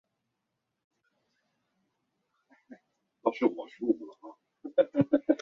斯沙尔拉克贝尔甘伊尔姆斯泰。